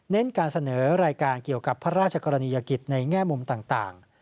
การเสนอรายการเกี่ยวกับพระราชกรณียกิจในแง่มุมต่าง